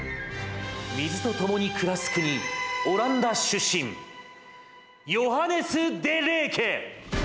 水とともに暮らす国オランダ出身ヨハネス・デ・レーケ！